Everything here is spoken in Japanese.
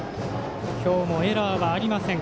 今日もエラーはありません。